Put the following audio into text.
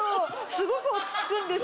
すごく落ち着くんです。